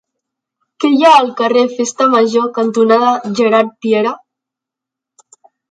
Què hi ha al carrer Festa Major cantonada Gerard Piera?